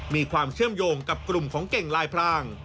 มีความเชื่อมโยงกับกลุ่มของเก่งลายพราง